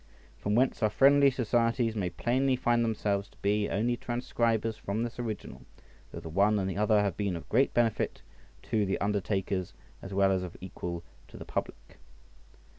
From whence our friendly societies may plainly find themselves to be only transcribers from this original, though the one and the other have been of great benefit to the undertakers as well as of equal to the public.